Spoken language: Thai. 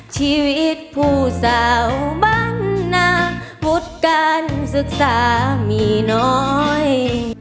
ชีวิตผู้สาวบ้านนาวุฒิการศึกษามีน้อย